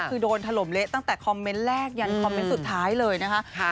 คือโดนถล่มเละตั้งแต่คอมเมนต์แรกยันคอมเมนต์สุดท้ายเลยนะคะ